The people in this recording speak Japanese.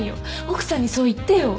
奥さんにそう言ってよ。